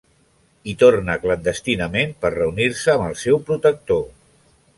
Hi torna clandestinament per reunir-se amb el seu protector.